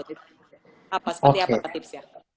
apa seperti apa tipsnya